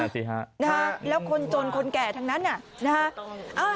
สิฮะนะฮะแล้วคนจนคนแก่ทั้งนั้นนะฮะ